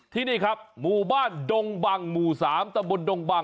ที่นี่ครับหมู่บ้านดงบังหมู่๓ตำบลดงบัง